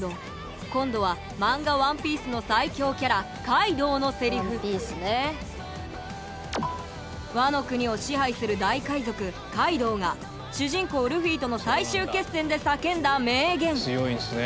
今度はマンガ「ＯＮＥＰＩＥＣＥ」の最恐キャラカイドウのセリフワノ国を支配する大海賊カイドウが主人公ルフィとの最終決戦で叫んだ名言